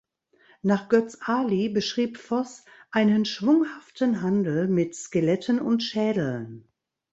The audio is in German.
Nach Götz Aly betrieb Voss „einen schwunghaften Handel mit Skeletten und Schädeln“.